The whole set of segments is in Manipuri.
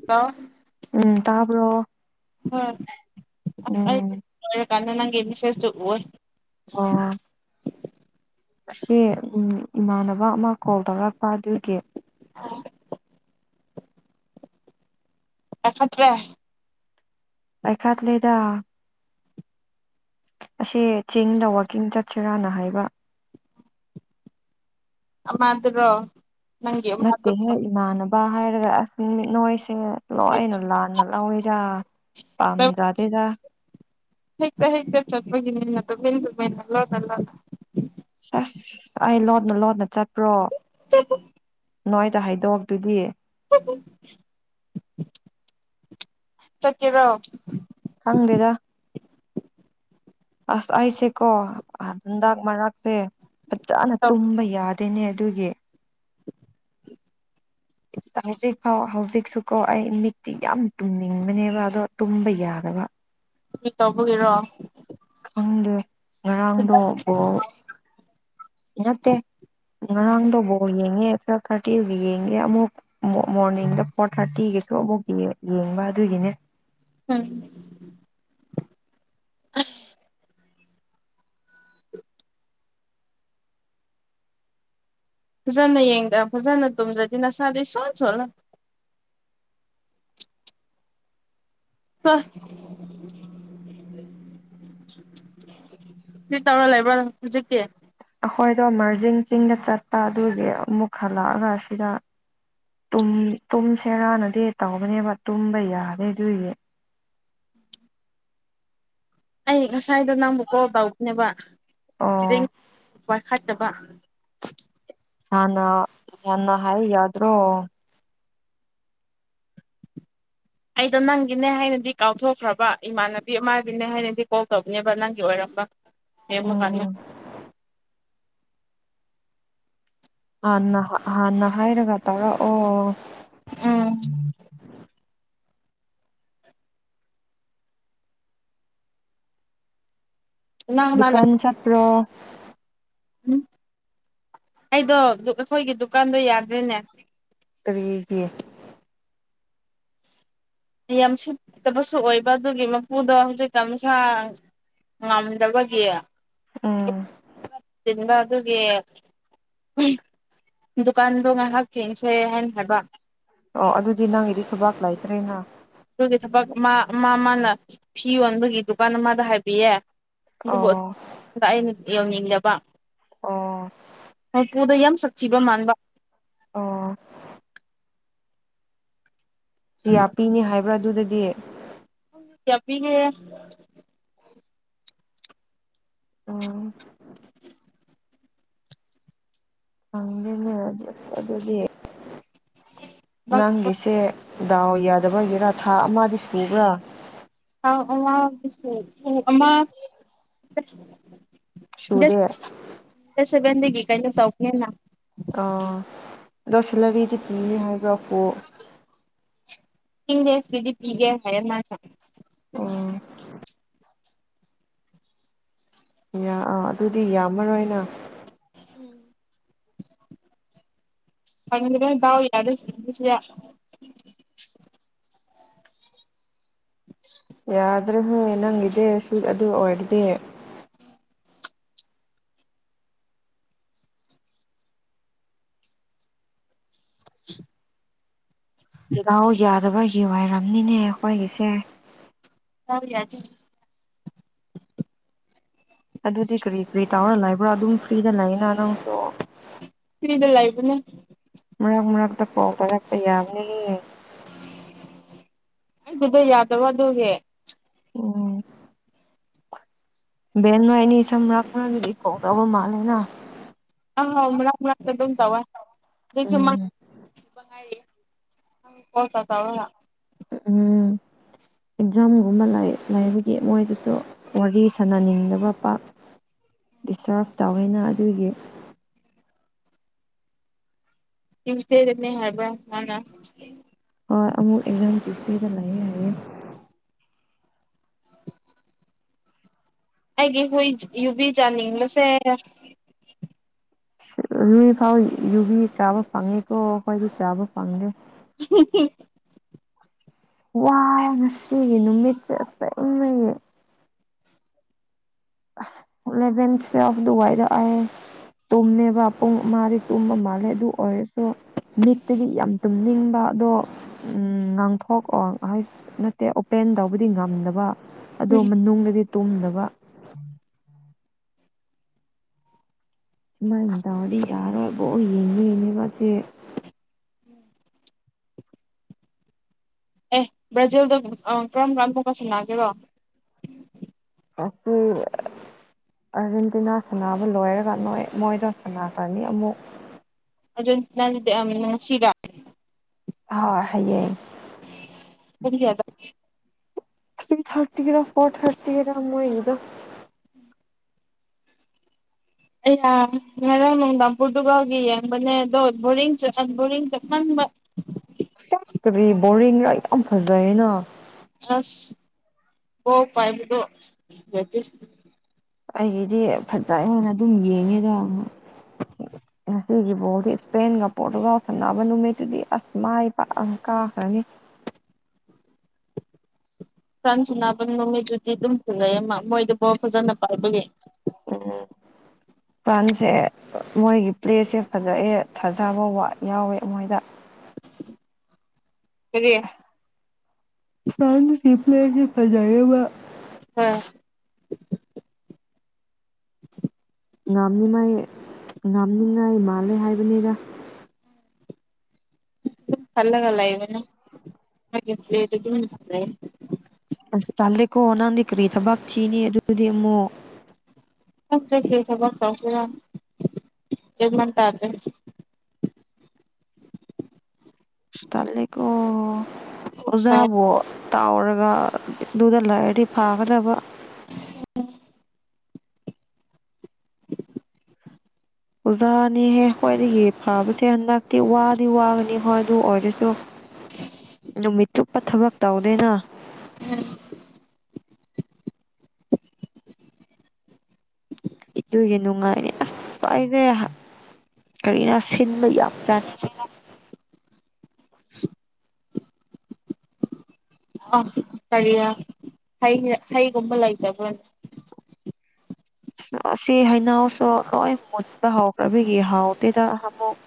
[unintelligible] ꯎꯝ ꯇꯥꯕ꯭ꯔꯣ ꯍꯣꯏ ꯑꯩ ꯎꯝ ꯂꯩꯔꯀꯥꯟꯗꯥ ꯅꯪꯒꯤ ꯃꯦꯁꯦꯁꯇꯨ ꯎꯋꯦ ꯑꯣ ꯑꯁꯤ ꯎꯝ ꯏꯃꯥꯟꯅꯕ ꯑꯃ ꯀꯣꯜ ꯇꯧꯔꯛꯄ ꯑꯗꯨꯒꯤ [unintelligible] ꯄꯥꯏꯈꯠꯇ꯭ꯔꯦ ꯄꯥꯏꯈꯥꯠ ꯂꯤꯗꯥ ꯑꯁꯤ ꯆꯤꯡꯗ ꯋꯥꯛꯀꯤꯡ ꯆꯠꯁꯤꯔꯥꯅ ꯍꯥꯏꯕ ꯑꯃꯗꯨꯔꯣ ꯅꯪꯒꯤ ꯑꯃꯗꯨ ꯅꯠꯇꯦꯍꯦ ꯏꯃꯥꯟꯅꯕ ꯍꯥꯏꯔꯒ [unintelligible] ꯅꯣꯏꯁꯤ ꯂꯣꯏꯅ ꯂꯥꯟꯅ ꯂꯧꯏꯗꯥ ꯄꯥꯝꯗꯗꯦꯗ ꯍꯦꯛꯇ ꯍꯦꯛꯇ ꯆꯠꯄꯒꯤꯅꯤꯅ ꯇꯨꯃꯤꯟ ꯇꯨꯃꯤꯟꯅꯥ ꯂꯣꯅꯥ ꯂꯣꯅꯥ ꯑꯁ ꯑꯩ ꯂꯣꯟꯅ ꯂꯣꯟꯅ ꯆꯠꯄ꯭ꯔꯣ [unintelligible] ꯅꯣꯏꯗ ꯍꯥꯏꯗꯣꯛ ꯇꯨꯗꯤ ꯆꯠꯀꯤꯔꯣ ꯈꯪꯗꯦꯗ ꯑꯁ ꯑꯩꯁꯦꯀꯣ ꯍꯟꯗꯥꯛ ꯃꯔꯥꯛꯁꯦ ꯐꯖꯅ ꯇꯨꯝꯕ ꯌꯥꯗꯦꯅꯦ ꯑꯗꯨꯒꯤ [inaudible] ꯍꯧꯖꯤꯛ ꯐꯥꯎ ꯍꯧꯖꯤꯛꯁꯨꯀꯣ ꯑꯩ ꯃꯤꯠꯇꯤ ꯌꯥꯝ ꯇꯨꯝꯅꯤꯡꯕꯅꯦꯕ ꯑꯗꯣ ꯇꯨꯝꯕ ꯌꯥꯗꯕ ꯀꯔꯤ ꯇꯧꯕꯒꯤꯔꯣ ꯈꯪꯗꯦ ꯉꯔꯥꯡꯗꯣ ꯕꯣꯜ ꯅꯥꯠꯇꯦ ꯉꯔꯥꯡꯗꯣ ꯕꯣꯜ ꯌꯦꯡꯉꯦ ꯈꯔ ꯈꯔ [unintelligible] ꯌꯦꯡꯉꯦ ꯑꯃꯨꯛ ꯃꯣ ꯃꯣꯔꯅꯤꯡꯗ ꯐꯣꯔ ꯊꯥꯔꯇꯤꯒꯤꯁꯨ ꯑꯃꯨꯛ ꯌꯦꯡ ꯌꯦꯡꯕ ꯑꯗꯨꯒꯤꯅꯦ ꯎꯝ [unintelligible] [inaudible] ꯐꯖꯅ ꯌꯦꯡꯗ ꯐꯖꯅ ꯇꯨꯝꯗ꯭ꯔꯥꯗꯤ ꯅꯁꯥꯗꯤ ꯏꯁꯣꯟ ꯁꯣꯂꯝ [unintelligible] ꯀꯔꯤ ꯇꯧꯔꯥ ꯂꯩꯕ꯭ꯔꯣ ꯍꯧꯖꯤꯛꯇꯤ ꯑꯩꯈꯣꯏꯗꯣ ꯃꯥꯔꯖꯤꯡ ꯆꯤꯡꯗ ꯆꯠꯄ ꯑꯗꯨꯒꯤ ꯑꯃꯨꯛ ꯍꯜꯂꯛꯑꯒ ꯑꯁꯤꯗ ꯇꯨꯝ ꯇꯨꯝꯁꯦꯔꯥꯅꯗꯤ ꯇꯧꯕꯅꯦꯕ ꯇꯨꯝꯕ ꯌꯥꯗꯦ ꯑꯗꯨꯏꯅꯤ ꯑꯩ ꯉꯁꯥꯏꯗꯣ ꯅꯪꯕꯨ ꯀꯣꯜ ꯇꯧꯕꯅꯦꯕ ꯔꯤꯡ ꯑꯣ ꯄꯥꯏꯈꯠꯇꯕ ꯍꯥꯟꯅꯥ ꯍꯥꯟꯅꯥ ꯍꯥꯏꯌꯨ ꯌꯥꯗ꯭ꯔꯣ ꯑꯩꯗꯣ ꯅꯪꯒꯤꯅꯦ ꯍꯥꯏꯅꯗꯤ ꯀꯥꯎꯊꯣꯛꯈ꯭ꯔꯥꯕ ꯏꯃꯥꯟꯅꯕꯤ ꯑꯃꯥꯒꯤꯅꯦ ꯍꯥꯏꯅꯗꯤ ꯀꯣꯜ ꯇꯧꯕꯅꯦꯕ ꯅꯪꯒꯤ ꯑꯣꯏꯔꯝꯕ ꯌꯦꯡꯕꯥ ꯀꯥꯟꯗ ꯎꯝ ꯍꯥꯟꯅ ꯍꯥꯟꯅ ꯍꯥꯏꯔꯒ ꯇꯧꯔꯛꯑꯣ ꯎꯝ ꯅꯪ ꯅꯥ ꯂꯩꯕ ꯗꯨꯀꯥꯟ ꯆꯠꯄ꯭ꯔꯣ ꯎꯝ ꯑꯩꯗꯣ ꯑꯩꯈꯣꯏꯒꯤ ꯗꯨꯀꯥꯟꯗꯣ ꯌꯥꯗ꯭ꯔꯦꯅꯦ ꯀꯥꯔꯤꯒꯤ ꯌꯥꯝꯁꯤꯠꯇꯕꯁꯨ ꯑꯣꯏꯕ ꯑꯗꯨꯒꯤ ꯃꯄꯨꯗꯣ ꯍꯧꯖꯤꯛ ꯇꯥꯃꯁꯥ ꯉꯝꯗꯕꯒꯤ ꯎꯝ ꯆꯤꯟꯕꯥ ꯑꯗꯨꯒꯤ ꯗꯨꯀꯥꯟꯗꯣ ꯉꯥꯏꯍꯥꯛ ꯆꯦꯟꯁꯩ ꯍꯥꯏꯕ ꯑꯣ ꯑꯗꯨꯗꯤ ꯅꯪꯒꯤꯗꯤ ꯊꯕꯥꯛ ꯂꯩꯥꯏꯇ꯭ꯔꯦꯅ ꯑꯗꯨꯒꯤ ꯊꯕꯛ ꯃꯥ ꯃꯥ ꯃꯥꯅ ꯐꯤ ꯌꯣꯟꯕꯒꯤ ꯗꯨꯀꯥꯟ ꯑꯃꯗ ꯍꯥꯏꯕꯤꯌꯦ ꯑꯗꯨꯕꯨ ꯑꯣ ꯑꯩꯅ ꯌꯧꯅꯤꯡꯖꯕ ꯑꯣ ꯃꯄꯨꯗ ꯌꯥꯝ ꯁꯛꯊꯤꯕ ꯃꯥꯟꯕ ꯑꯣ ꯌꯥ ꯄꯤꯅꯤ ꯍꯥꯏꯕ꯭ꯔꯥ ꯑꯗꯨꯗꯗꯤ ꯀꯌꯥ ꯄꯤꯒꯦ ꯎꯝ ꯈꯪꯗꯦꯅꯦ ꯑꯗꯨꯗꯤ ꯅꯪꯒꯤꯁꯦ ꯗꯥꯎ ꯌꯥꯗꯕ ꯑꯣꯏꯒꯦꯔꯥ ꯊꯥ ꯑꯃꯗꯤ ꯁꯨꯕ꯭ꯔꯥ [unintelligible] ꯑꯃꯥ ꯁꯨꯗꯦ ꯗꯦꯠ ꯁꯚꯦꯟꯗꯒꯤ ꯀꯩꯅ ꯇꯧꯕꯅꯦꯅ ꯑꯥ ꯑꯗꯣ ꯁꯦꯂꯔꯤꯗꯤ ꯄꯤꯅꯤ ꯍꯥꯏꯕ꯭ꯔꯥꯐꯣ ꯗꯦꯁꯀꯤꯗꯤ ꯄꯤꯒꯦ ꯍꯥꯏꯔ ꯃꯥꯅꯥ ꯑꯣ ꯌꯥ ꯑꯥ ꯑꯗꯨꯗꯤ ꯌꯥꯝꯃꯔꯣꯏꯅꯥ ꯎꯝ ꯇꯎ ꯌꯥꯗꯣ ꯆꯁꯤ [unintelligible] ꯌꯥꯗ꯭ꯔꯦ ꯍꯦ ꯅꯪꯒꯤꯗꯤ ꯁꯤ ꯑꯗꯨ ꯑꯣꯏꯔꯗꯤ ꯔꯤꯒꯥꯎ ꯌꯥꯗꯕꯒꯤ ꯑꯣꯏꯔꯝꯅꯤꯅꯦ ꯑꯩꯈꯣꯏꯒꯤꯁꯦ ꯇꯥꯕ ꯌꯥꯗꯦ ꯑꯗꯨꯗꯤ ꯀꯔꯤ ꯀꯔꯤ ꯇꯧꯔ ꯂꯩꯕ꯭ꯔꯥ ꯑꯗꯨꯝ ꯐ꯭ꯔꯤꯗ ꯂꯩꯅ ꯅꯪꯁꯨ ꯐ꯭ꯔꯤꯗ ꯂꯥꯏꯕꯅꯦ ꯃꯔꯛ ꯃꯔꯛꯇ ꯀꯣꯜ ꯇꯥꯔꯛꯄ ꯌꯥꯕꯅꯤꯍꯦ ꯑꯗꯨ ꯑꯗꯨꯗ ꯌꯥꯗꯕ ꯑꯗꯨꯒꯤ ꯎꯝ ꯕꯦꯟ ꯅꯣꯏ ꯑꯅꯤ ꯁꯝꯔꯥꯛꯒ ꯀ ꯀꯕ ꯃꯥꯜꯦꯅ ꯑꯧ ꯃꯔꯛ ꯃꯔꯛꯇ ꯗꯨꯝ ꯇꯧꯋꯦ ꯎꯝ ꯉꯥꯏ ꯀꯣꯇꯥ ꯇꯕ꯭ꯔ ꯎꯝ ꯑꯦꯛꯖꯥꯝꯒꯨꯝꯕ ꯂꯩꯕꯒꯤ ꯃꯣꯏꯗꯨꯁꯨ ꯋꯥꯔꯤ ꯁꯥꯟꯅꯅꯤꯡꯗꯕ ꯄ ꯗꯤꯁꯇꯔꯞ ꯇꯧꯋꯅ ꯑꯗꯨꯒꯤ ꯇꯨꯏ꯭ꯁꯗꯅꯦ ꯍꯥꯏꯕ ꯃꯥꯅ ꯍꯣꯏ ꯑꯃꯨꯛ ꯏꯟꯖꯝ ꯇꯨꯏꯁꯗꯦ ꯂꯩꯑꯦ ꯍꯥꯏꯌꯦ ꯑꯩꯒꯤ ꯍꯨꯏ ꯌꯨꯕꯤ ꯆꯥꯅꯤꯡꯕꯁꯦ ꯌꯨꯏ ꯐꯥꯎ ꯌꯨꯕꯤ ꯆꯥꯕ ꯐꯪꯉꯦꯀꯣ ꯑꯩꯈꯣꯏꯗꯤ ꯆꯥꯕ ꯐꯪꯗꯦ [unintelligible] ꯋꯥ ꯉꯁꯤꯒꯤ ꯅꯨꯃꯤꯠꯁꯦ [unintelligible] ꯑꯆꯪꯅꯩꯌꯦ ꯏꯂꯚꯦꯟ ꯊꯨꯋꯦꯜꯐ ꯑꯗꯨꯋꯥꯏꯗ ꯑꯥꯌꯦ ꯇꯨꯝꯃꯦꯕ ꯄꯨꯡ ꯃꯥꯗꯤ ꯇꯨꯝꯕ ꯃꯥꯜꯂꯦ ꯑꯗꯨ ꯑꯣꯏꯔꯁꯨ ꯃꯤꯠꯇꯗꯤ ꯌꯥꯝ ꯇꯨꯝꯅꯤꯡꯕ ꯑꯗꯣ ꯎꯝ ꯉꯥꯡꯊꯣꯛꯑꯣ ꯍꯥꯏ ꯅꯠꯇꯦ ꯑꯣꯄꯦꯟ ꯇꯧꯕꯗꯤ ꯉꯝꯗꯕ ꯑꯗꯣ ꯎꯝ ꯃꯅꯨꯡꯗꯗꯤ ꯇꯨꯝꯗꯕ ꯁꯨꯃꯥꯏꯅ ꯇꯧꯔꯗꯤ ꯌꯥꯔꯣꯏ ꯕꯣꯜ ꯌꯦꯡꯕꯒꯤꯅꯦꯕꯁꯦ ꯑꯦ ꯕ꯭ꯔꯥꯖꯤꯜꯗꯣ ꯑꯥ ꯀꯔꯝ ꯀꯥꯟ ꯕꯣꯜ ꯁꯟꯅꯥꯒꯦꯔꯣ ꯍꯥꯁꯨ [unintelligible] ꯑꯥꯔꯖꯦꯟꯇꯤꯅꯥ ꯁꯥꯟꯅꯕ ꯂꯣꯏꯔꯒ ꯅꯣꯏ ꯃꯣꯏꯗ ꯁꯟꯅꯥꯈ꯭ꯔꯅꯤ ꯑꯃꯨꯛ ꯑꯅ ꯁꯤꯔ [unintelligible] ꯍꯣꯏ ꯍꯌꯦꯡ ꯎꯗꯤ ꯌꯥꯗ [unintelligible] ꯊ꯭ꯔꯤ ꯊꯥꯔꯇꯤꯔꯥ ꯐꯣꯔ ꯊꯥꯔꯇꯤꯔꯥ ꯃꯣꯏꯒꯤꯗꯣ ꯑꯩ ꯉꯔꯥꯡ ꯅꯨꯡꯗꯥꯡ ꯄꯣꯔꯇꯨꯒꯜꯒꯤ ꯌꯦꯡꯕꯅꯦ ꯑꯗꯣ ꯕꯣꯔꯤꯡ ꯕꯣꯔꯤꯡ ꯆꯠꯃꯟꯕ ꯁꯁ ꯀꯔꯤ ꯕꯣꯔꯤꯡꯔꯥ ꯌꯥꯝ ꯐꯖꯩꯌꯦꯅ ꯑꯁ ꯕꯣꯜ ꯄꯥꯏꯕꯗꯣ ꯐꯖꯗꯦ ꯑꯩꯒꯤꯗꯤ ꯐꯍꯩ ꯍꯥꯏꯅ ꯑꯗꯨꯝ ꯌꯦꯡꯉꯤꯗ ꯉꯍꯥꯛ ꯉꯁꯤꯒꯤ ꯕꯣꯜꯗꯤ ꯏꯁꯄꯦꯟꯒ ꯄꯣꯔꯇꯨꯒꯥꯜ ꯁꯥꯟꯅꯕ ꯅꯨꯃꯤꯠꯇꯨꯗꯤ ꯑꯁ ꯃꯥꯏ ꯄꯥꯛꯑ ꯀꯥꯈ꯭ꯔꯅꯤ ꯐꯔ꯭ꯥꯟ ꯁꯥꯟꯅꯕ ꯅꯨꯃꯤꯠꯇꯨꯗꯤ ꯗꯨꯝ ꯐꯨꯅꯩꯌꯦ ꯃ ꯃꯣꯏꯗꯣ ꯕꯣꯜ ꯐꯖꯅ ꯄꯥꯏꯕꯒꯤ ꯎꯝ ꯄꯂ꯭ꯥꯟꯁꯦ ꯃꯣꯏꯒꯤ ꯄ꯭ꯂꯦꯁꯦ ꯐꯖꯩꯌꯦ ꯊꯥꯖꯕ ꯋꯥꯠ ꯌꯥꯎꯋꯦ ꯃꯣꯏꯗ ꯀꯔꯤ ꯐꯔ꯭ꯟꯁꯀꯤ ꯄ꯭ꯂꯦꯗꯤ ꯐꯖꯩꯌꯦꯕ ꯍꯣꯏ [inaudible] ꯉꯝꯅꯤꯡꯉꯥꯏ ꯉꯝꯅꯤꯡꯉꯥꯏ ꯃꯥꯜꯂꯦ ꯍꯥꯏꯕꯅꯤꯗ ꯈꯜꯒꯂ ꯂꯩꯕꯅꯦ ꯃꯣꯏꯒꯤ ꯄꯂ꯭ꯦꯗꯨꯗꯤ ꯐꯖꯩꯌꯦ ꯑꯁ ꯇꯜꯂꯤꯀꯣ ꯅꯪꯗꯤ ꯀꯔꯤ ꯊꯥꯕꯛ ꯊꯤꯅꯤ ꯑꯗꯨꯗꯤ ꯑꯃꯨꯛ ꯈꯪꯗꯦ ꯀꯔꯤ ꯊꯕꯛ ꯇꯧꯁꯦꯔꯥ ꯒꯌ꯭ꯥꯟ ꯃꯥꯟ ꯇꯥꯗꯔ꯭ꯦ ꯑꯁ ꯇꯜꯂꯤꯀꯣ ꯀꯣꯛ ꯁꯥꯏ ꯑꯣꯖꯥꯕꯨ ꯇꯥꯎꯔꯒ ꯑꯗꯨꯗ ꯂꯩꯔꯗꯤ ꯐꯥꯒꯗꯕ ꯑꯣꯖꯥꯅꯤꯍꯦ ꯑꯩꯈꯣꯏꯗꯒꯤ ꯐꯕꯁꯦ ꯍꯟꯗꯛꯇꯤ ꯋꯥꯗꯤ ꯋꯥꯒꯅꯤ ꯍꯣꯏ ꯑꯗꯨ ꯑꯣꯏꯔꯁꯨ [inaudible] ꯅꯨꯃꯤꯠ ꯆꯨꯞꯄ ꯊꯕꯛ ꯇꯧꯗꯦꯅꯥ ꯑꯗꯨꯒꯤ ꯅꯨꯡꯉꯥꯏꯅꯤ ꯑꯁ ꯑꯩꯗꯤ ꯀꯔꯤꯔꯥ ꯁꯤꯟꯕ ꯌꯥꯝ ꯆꯥꯅꯤꯡꯉꯦ ꯑ ꯀꯔꯤꯔꯥ ꯍꯩ ꯍꯩꯒꯨꯝꯕ ꯂꯩꯇꯕ꯭ꯔꯅꯦ ꯑꯁꯤ ꯍꯩꯅꯧꯁꯨ ꯂꯣꯏ ꯃꯨꯟꯕ ꯍꯧꯈ꯭ꯔꯕꯒꯤ ꯍꯥꯎꯇꯦꯗ ꯑꯍꯃꯨꯛ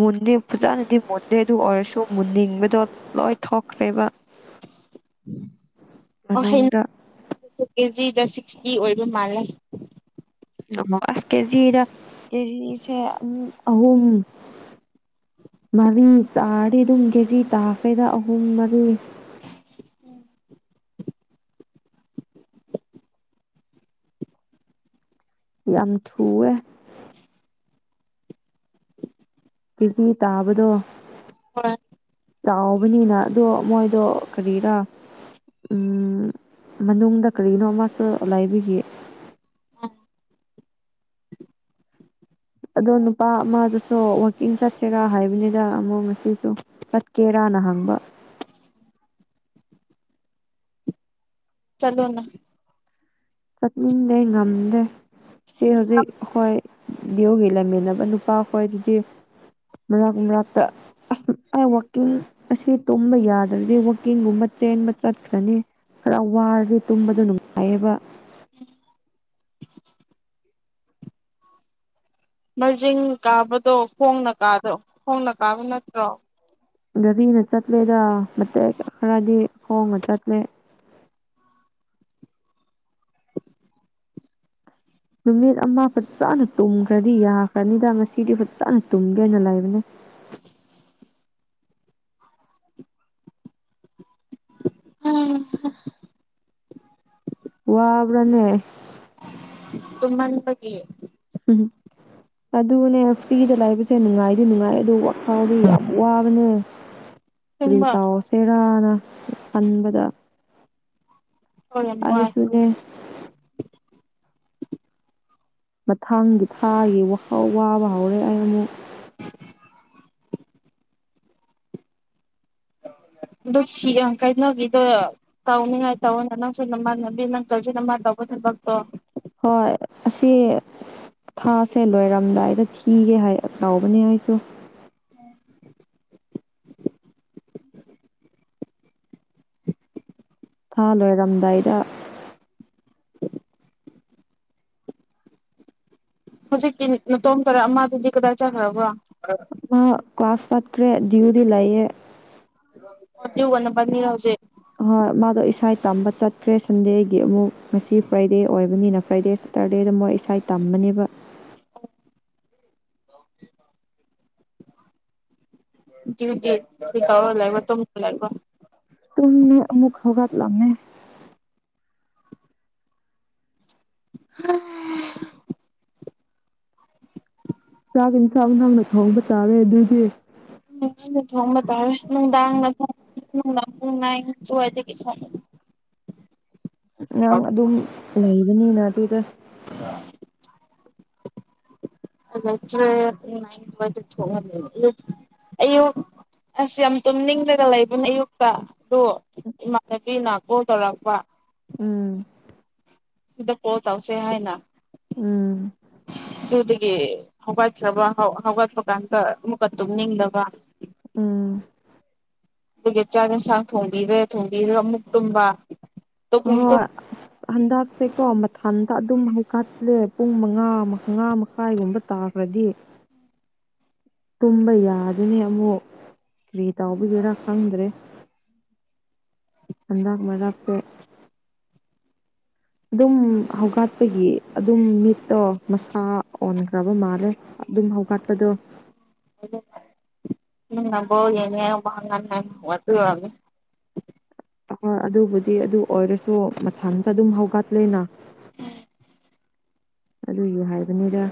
ꯃꯨꯟꯗꯤ ꯐꯖꯅꯗꯤ ꯃꯨꯟꯗꯦ ꯑꯗꯨ ꯑꯣꯏꯔꯁꯨ ꯃꯨꯟꯅꯤꯡꯕꯗꯣ ꯂꯣꯏ ꯊꯣꯛꯈ꯭ꯔꯦꯕ [inaudible] ꯑꯣ ꯍꯩꯅ ꯃꯅꯨꯡꯗ ꯁꯨ ꯀꯦꯖꯤꯗ ꯁꯤꯛꯁꯇꯤ ꯑꯣꯏꯕ ꯃꯥꯜꯂꯦ ꯑꯃꯨꯛ ꯑꯁ ꯀꯦꯖꯤꯗ ꯀꯦꯖꯤꯁꯦ ꯎꯝ ꯑꯍꯨꯝ ꯃꯔꯤ ꯇꯥꯔꯗꯤ ꯗꯨꯝ ꯀꯦꯖꯤ ꯇꯥꯈꯔ꯭ꯦꯗ ꯑꯍꯨꯝ ꯃꯔꯤ ꯌꯥꯝ ꯊꯨꯋꯦ꯫ ꯀꯦꯖꯤ ꯇꯥꯕꯗꯣ꯫ ꯍꯣꯏ ꯆꯥꯎꯕꯅꯤꯅ ꯑꯗꯣ ꯃꯣꯏꯗꯣ ꯀꯔꯤꯔꯥ꯫ ꯎꯝ ꯃꯅꯨꯡꯗ ꯀꯔꯤꯅꯣ ꯑꯃꯁꯨ ꯂꯥꯏꯕꯒꯤ꯫ ꯎꯝ ꯑꯗꯣ ꯅꯨꯄꯥ ꯑꯃꯗꯨꯁꯨ ꯋꯥꯛꯀꯤꯡ ꯆꯠꯁꯦꯔ ꯍꯥꯏꯕꯅꯤꯗ ꯑꯃꯨꯛ ꯉꯁꯤꯁꯨ꯫ ꯆꯠꯀꯦꯔꯥꯅ ꯍꯪꯕ꯫ ꯆꯠꯂꯣꯅ꯫ ꯆꯠꯅꯤꯡꯗꯦ ꯉꯝꯗꯦ꯫ ꯁꯤ ꯍꯧꯖꯤꯛ ꯑꯩꯈꯣꯏ ꯌꯣꯒꯤ ꯂꯩꯃꯤꯟꯅꯕ ꯅꯨꯄꯥ ꯍꯣꯏꯗꯨꯗꯤ꯫ ꯃꯔꯛ ꯃꯔꯛꯇ꯫ ꯑꯁ ꯑ ꯋꯥꯛꯀꯤꯡ ꯑꯁꯤ ꯇꯨꯝꯕ ꯌꯥꯗ꯭ꯔꯗꯤ ꯋꯥꯛꯀꯤꯡꯒꯨꯝꯕ ꯆꯦꯟꯕ ꯆꯠꯈ꯭ꯔꯅꯤ꯫ ꯈꯔ ꯋꯥꯔꯗꯤ ꯇꯨꯝꯕꯗꯣ ꯅꯨꯡꯉꯥꯏꯌꯦꯕ꯫ ꯃꯔꯖꯤꯡ ꯀꯥꯕꯗꯣ ꯈꯣꯡꯅ ꯀꯥꯗꯣ ꯈꯣꯡꯅ ꯀꯥꯕ ꯅꯠꯇ꯭ꯔꯣ꯫ ꯒꯥꯔꯤꯅ ꯆꯠꯂꯦꯗ ꯃꯇꯦꯛ ꯈꯔꯗꯤ ꯈꯣꯡꯅ ꯆꯠꯂꯦ꯫ ꯅꯨꯃꯤꯠ ꯑꯃ ꯐꯠꯖꯥꯅ ꯇꯨꯝꯈ꯭ꯔꯗꯤ ꯌꯥꯈ꯭ꯔꯅꯤꯗ ꯉꯁꯤꯗꯤ ꯐꯠꯖꯥꯅ ꯇꯨꯝꯒꯦꯅ ꯂꯩꯕꯅꯦ꯫ ꯋꯥꯕ꯭ꯔꯅꯦ꯫ ꯇꯨꯝꯃꯟꯕꯒꯤ꯫ ꯎꯝ꯫ ꯑꯗꯨꯅꯦ ꯐ꯭ꯔꯤꯗ ꯂꯩꯕꯁꯦ ꯅꯨꯡꯉꯥꯏꯗꯤ ꯅꯨꯡꯉꯥꯏ ꯑꯗꯨ ꯋꯥꯈꯜꯗꯤ ꯌꯥꯝ ꯋꯥꯕꯅꯦ꯫ [inaudible] ꯀ꯭ꯔꯤ ꯇꯧꯑꯣꯁꯦꯔꯥꯅ ꯈꯟꯕꯗ꯫ ꯍꯣꯏ ꯌꯥꯝ ꯋꯥꯔꯦ꯫ ꯑꯩꯁꯨꯅꯦ ꯃꯊꯥꯡꯒꯤ ꯊꯥꯒꯤ ꯋꯈꯜ ꯋꯥꯕ ꯍꯧꯔꯦ ꯑꯩ ꯑꯃꯨꯛ ꯑꯗꯣ ꯁꯤ ꯌꯥꯝ ꯀꯥꯏꯅꯕꯤꯗ꯫ ꯇꯧꯅꯤꯉꯥꯏ ꯇꯧꯅꯤ ꯅꯪꯁꯨ ꯅꯃꯥꯟꯅꯕꯤ [unintelligible] ꯇꯧꯕ ꯊꯕꯛꯇꯣ ꯍꯣꯏ ꯑꯁꯤ꯫ ꯊꯥꯁꯦ ꯂꯣꯏꯔꯝꯗꯥꯏꯗ ꯊꯤꯒꯦ ꯍꯥꯏ ꯇꯧꯕꯅꯦ ꯑꯩꯁꯨ꯫ ꯊꯥ ꯂꯣꯏꯔꯝꯗꯥꯏꯗ꯫ ꯍꯧꯖꯤꯛꯇꯤ ꯅꯇꯣꯝꯇꯔ ꯑꯃꯗꯨꯗꯤ ꯀꯗꯥꯏ ꯆꯥꯠꯈ꯭ꯔꯕ꯫ ꯃꯥ ꯀ꯭ꯂꯥꯁ ꯆꯠ꯭ꯔꯦ ꯗꯤꯌꯨꯗꯤ ꯂꯩꯥꯏꯌꯦ꯫ ꯑꯗꯨꯒ ꯅꯕꯅꯤꯔ ꯍꯧꯖꯤꯛ ꯑꯣꯏ ꯃꯥꯗꯣ ꯏꯁꯥ ꯇꯝꯕ ꯆꯠꯈ꯭ꯔꯦ ꯁꯟꯗꯦꯒꯤ ꯑꯃꯨꯛ ꯉꯁꯤ ꯐ꯭ꯔꯥꯏꯗꯦ ꯑꯣꯏꯕꯅꯤꯅ ꯐ꯭ꯔꯥꯏꯗꯦ꯫ ꯇꯔꯗꯦꯗ ꯃꯣꯏ ꯏꯁꯩ ꯇꯥꯝꯕꯅꯦꯕ꯫ ꯗꯤꯌꯨꯗꯤ ꯏꯁꯇꯦ ꯇꯧꯔ ꯂꯩꯕꯔꯣ ꯇꯨꯝꯃ ꯂꯩꯕꯣ ꯇꯨꯝꯃꯤ ꯑꯃꯨꯛ ꯍꯧꯒꯥꯠꯂꯥꯝꯃꯦ꯫ ꯆꯥꯛ ꯏꯟꯁꯥꯡ ꯅꯪꯅ ꯊꯣꯡꯕ ꯇꯥꯔꯦ ꯑꯗꯨꯗꯤ꯫ ꯎꯝ ꯑꯩꯅ ꯊꯣꯡꯕ ꯇꯔꯦ ꯅꯨꯡꯗꯥꯡ ꯊꯣꯡꯕ [unintelligible] ꯅꯪ ꯑꯗꯨꯝ ꯂꯩꯕꯅꯤꯅ ꯑꯗꯨꯗ꯫ ꯂꯩꯇꯔꯦ ꯅꯨꯡꯗꯤꯟ ꯋꯥꯏꯗ ꯊꯣꯛꯑꯝꯃꯦ ꯑꯌꯨꯛ ꯑꯁ ꯌꯥꯝ ꯇꯨꯝꯅꯤꯡꯂꯒ ꯂꯩꯕꯅꯦ ꯑꯌꯨꯛꯇ ꯑꯗꯣ ꯏꯃꯥꯟꯅꯕꯤ ꯅꯥ ꯀꯣꯜ ꯇꯧꯔꯛꯄ꯫ ꯎꯝ꯫ ꯁꯤꯗ ꯀꯣꯜ ꯇꯧꯁꯦ ꯍꯥꯏꯅ꯫ ꯎꯝ꯫ ꯑꯗꯨꯗꯒꯤ ꯍꯧꯒꯠꯈ꯭ꯔꯕ ꯍꯧꯒꯠꯄ ꯀꯥꯟꯗ ꯑꯃꯨꯛꯀ ꯇꯨꯝꯅꯤꯡꯗꯕ꯫ ꯎꯝ ꯑꯩꯒꯤ ꯆꯥꯛ ꯌꯦꯟꯁꯥꯡ ꯊꯣꯡꯕꯤꯔꯦ ꯊꯣꯡꯕꯤꯔꯝ ꯃꯨꯛ ꯇꯨꯝꯕ ꯇꯨꯝ ꯇꯨꯝ [unintelligible] ꯑꯁ ꯍꯟꯗꯛꯁꯦ ꯀꯣ ꯃꯊꯟꯇ ꯑꯗꯨꯝ ꯍꯧꯀꯠꯂꯦ ꯄꯨꯡ ꯃꯉꯥ ꯃꯉꯥ ꯃꯈꯥꯏꯒꯨꯝꯕꯠ ꯇꯥꯈ꯭ꯔꯥꯗꯤ [inaudible] ꯇꯨꯝꯕ ꯌꯥꯗꯦꯅꯦ ꯑꯃꯨꯛ ꯀ꯭ꯔꯤ ꯇꯥꯎꯕꯒꯤꯔ ꯈꯪꯗꯦꯔꯦ ꯍꯟꯗꯛ ꯃꯔꯛꯁꯦ ꯑꯗꯨꯝ ꯍꯧꯒꯠꯄꯒꯤ ꯑꯗꯨꯝ ꯃꯤꯠꯇꯣ ꯃꯁꯥ ꯑꯣꯟꯈ꯭ꯔꯕ ꯃꯥꯜꯂꯦ ꯑꯗꯨꯝ ꯍꯧꯒꯠꯄꯗꯣ [inaudible] [unintelligible] ꯑꯄꯥ ꯑꯗꯨꯕꯨꯗꯤ ꯑꯗꯨ ꯑꯣꯏꯔꯁꯨ ꯃꯊꯟꯇ ꯗꯨꯝ ꯍꯧꯒꯠꯂꯦꯅ ꯑꯗꯨꯏꯒꯤ ꯍꯥꯏꯕꯅꯤꯗ